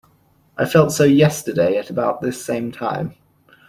I felt so yesterday at about this same time.